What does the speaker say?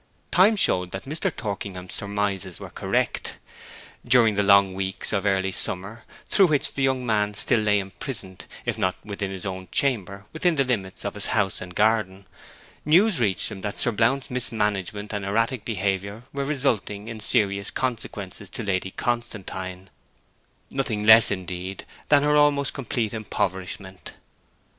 Time showed that Mr. Torkingham's surmises were correct. During the long weeks of early summer, through which the young man still lay imprisoned, if not within his own chamber, within the limits of the house and garden, news reached him that Sir Blount's mismanagement and eccentric behaviour were resulting in serious consequences to Lady Constantine; nothing less, indeed, than her almost complete impoverishment.